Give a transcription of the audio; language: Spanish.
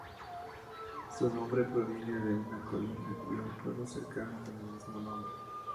Su nombre proviene de una colina y un pueblo cercano con el mismo nombre.